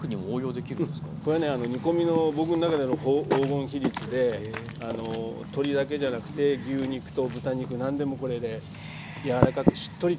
これね煮込みの僕の中での黄金比率で鶏だけじゃなくて牛肉と豚肉何でもこれで柔らかくしっとりと煮崩れしにくいんですね。